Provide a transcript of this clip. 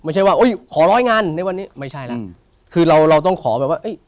ใช่ครับ